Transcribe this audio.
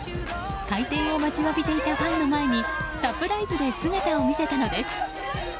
開店を待ちわびていたファンの前にサプライズで姿を見せたのです。